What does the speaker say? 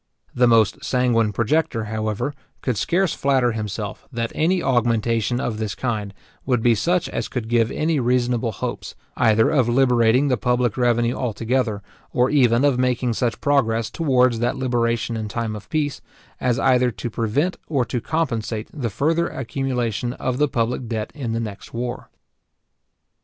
The most sanguine projector, however, could scarce flatter himself, that any augmentation of this kind would be such as could give any reasonable hopes, either of liberating the public revenue altogether, or even of making such progress towards that liberation in time of peace, as either to prevent or to compensate the further accumulation of the public debt in the next war.